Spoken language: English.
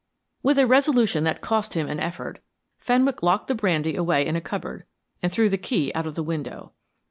With a resolution that cost him an effort, Fenwick locked the brandy away in a cupboard and threw the key out of the window.